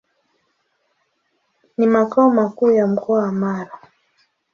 Ni makao makuu ya Mkoa wa Mara.